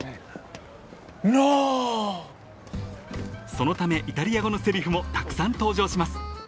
［そのためイタリア語のせりふもたくさん登場します］